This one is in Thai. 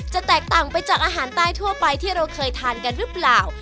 แตกต่างไปจากอาหารใต้ทั่วไปที่เราเคยทานกันหรือเปล่า